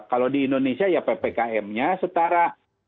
kalau di indonesia ya ppkm nya setara